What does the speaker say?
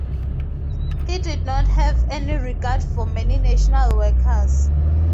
He did not have any regard for any national workers.